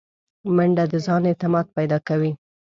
منډه د ځان اعتماد پیدا کوي